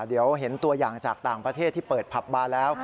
เดี๋ยวเห็นตัวอย่างจากต่างประเทศที่เปิดผับบาร์แล้ว